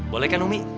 boleh kan umi